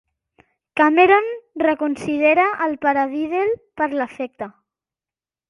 Cameron reconsidera el "paradiddle" per l'efecte.